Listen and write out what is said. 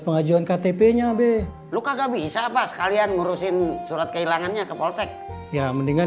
pengajuan ktpnya be luka gak bisa pas kalian ngurusin surat kehilangannya ke polsek ya mendingan